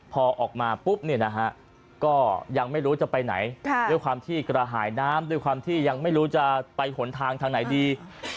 พอออกมาปุ๊บเนี่ยนะฮะก็ยังไม่รู้จะไปไหนด้วยความที่กระหายน้ำด้วยความที่ยังไม่รู้จะไปหนทางทางไหนดี